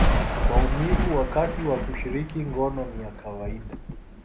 maumivu wakati wa kushiriki ngono ni ya kawaida.